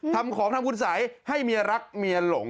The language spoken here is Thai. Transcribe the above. ทำของทำคุณสัยให้เมียรักเมียหลง